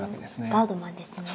ガードマンですね。